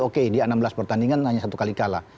oke di enam belas pertandingan hanya satu kali kalah